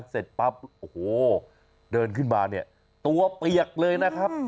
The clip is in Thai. เสร็จปั๊บโอ้โหเดินขึ้นมาเนี่ยตัวเปียกเลยนะครับ